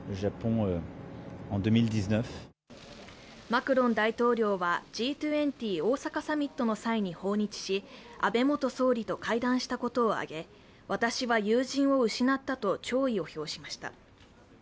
マクロン大統領はＧ２０大阪サミットの際に訪日し、安倍元総理と会談したことを挙げ私は友人を失ったと弔意を表しました。